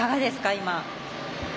今。